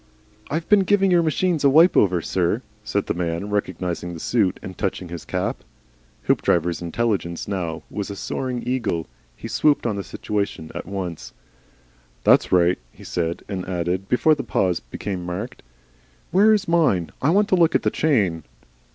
"I've been giving your machines a wipe over, sir," said the man, recognising the suit, and touching his cap. Hoopdriver's intelligence now was a soaring eagle; he swooped on the situation at once. "That's right," he said, and added, before the pause became marked, "Where is mine? I want to look at the chain."